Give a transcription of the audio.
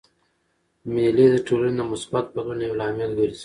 مېلې د ټولني د مثبت بدلون یو لامل ګرځي.